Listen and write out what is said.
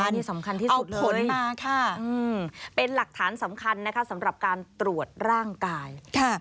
นี่สำคัญที่สุดเลยเป็นหลักฐานสำคัญนะคะสำหรับการตรวจร่างกาย